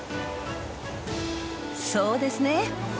そうですね。